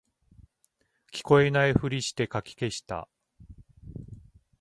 聞こえないふりしてかき消した